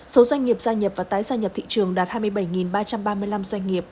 số doanh nghiệp gia nhập và tái gia nhập thị trường đạt hai mươi bảy ba trăm ba mươi năm doanh nghiệp